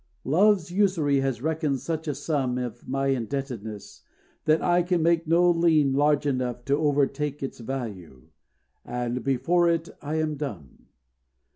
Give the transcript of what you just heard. Love's usury has reckoned such a sum Of my indebtedness, that I can make No lien large enough to overtake Its value and before it I am dumb!